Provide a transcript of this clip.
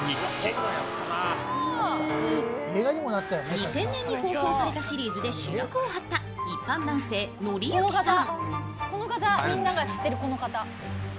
２０００年に放送されたシリーズで主役を張った一般男性、孝之さん。